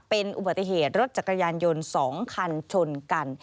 เป็นอุบัติเหตุรถจักรยานยนต์๒คันชนกัน